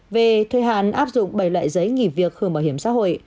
về thời hạn áp dụng bảy loại giấy nghỉ việc hưởng bảo hiểm xã hội